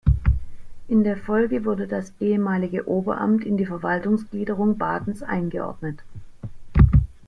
In der Folge wurde das ehemalige Oberamt in die Verwaltungsgliederung Badens eingeordnet.